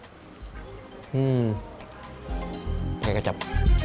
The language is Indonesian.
dan pakai kecap